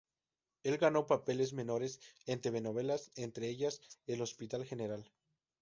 Él ganó papeles menores en telenovelas, entre ellas el Hospital General.